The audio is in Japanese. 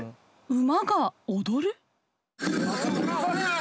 馬が踊る？